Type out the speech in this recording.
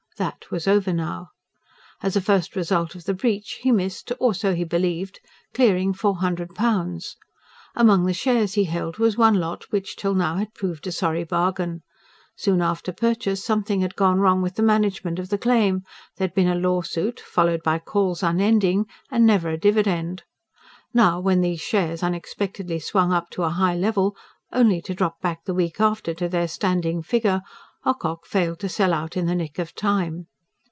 That was over now. As a first result of the breach, he missed or so he believed clearing four hundred pounds. Among the shares he held was one lot which till now had proved a sorry bargain. Soon after purchase something had gone wrong with the management of the claim; there had been a lawsuit, followed by calls unending and never a dividend. Now, when these shares unexpectedly swung up to a high level only to drop the week after to their standing figure Ocock failed to sell out in the nick of time.